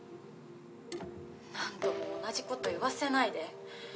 何度も同じこと言わせないで。